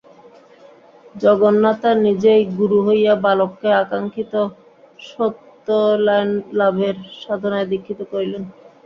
জগন্মাতা নিজেই গুরু হইয়া বালককে আকাঙ্ক্ষিত সত্যলাভের সাধনায় দীক্ষিত করিলেন।